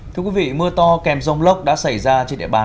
thưa quý vị mưa to kèm rông lốc đã xảy ra trên địa bàn